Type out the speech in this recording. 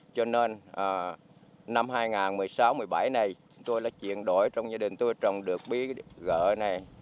cho nên năm hai nghìn một mươi sáu hai nghìn một mươi bảy này tôi chuyển đổi trong gia đình tôi trồng được bí gỡ này